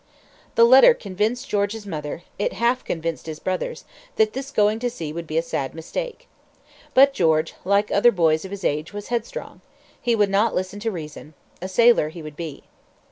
The letter convinced George's mother it half convinced his brothers that this going to sea would be a sad mistake. But George, like other boys of his age, was headstrong. He would not listen to reason. A sailor he would be.